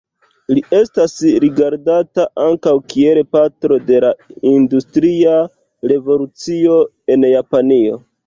Li estas rigardata ankaŭ kiel patro de la industria revolucio en Japanio.